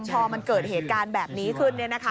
พอมันเกิดเหตุการณ์แบบนี้ขึ้น